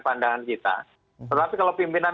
pandangan kita tetapi kalau pimpinan